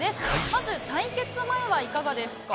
まず、対決前はいかがですか？